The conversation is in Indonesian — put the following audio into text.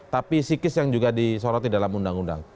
tapi psikis yang juga disoroti dalam undang undang